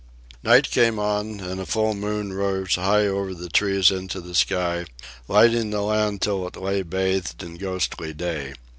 Night came on, and a full moon rose high over the trees into the sky, lighting the land till it lay bathed in ghostly day.